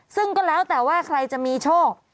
ซึ่งก็แล้วแต่ว่าใครจะมีโชค